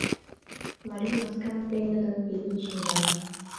Марий маскам пеҥгыдын пидын шында.